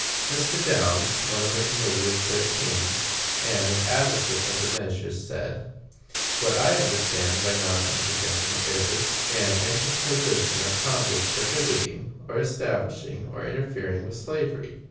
Mr. Downs, one of the Committee of Thirteen, and an advocate of the measures, said: "What I understand by non intervention is, an interposition of Congress prohibiting, or establishing, or interfering with slavery."